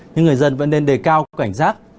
nhưng người dân vẫn nên đề cao các cảnh rác